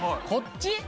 こっち？